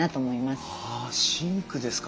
ああシンクですか。